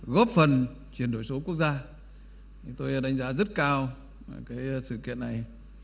góp phần chuyển đổi số quốc gia tôi đánh giá rất cao sự kiện này